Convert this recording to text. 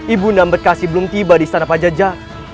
ibu ndamberkasi belum tiba di istana pajajara